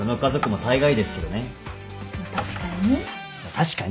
確かに。